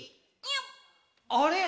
「あれ！